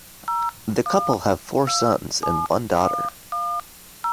The couple have four sons and one daughter.